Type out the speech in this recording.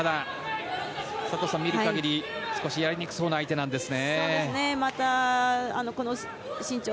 ただ、佐藤さん見る限り、少しやりにくそうな相手なんですね。